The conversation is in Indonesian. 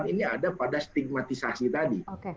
ini ada pada stigmatisasi tadi